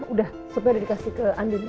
udah supaya udah dikasih ke andien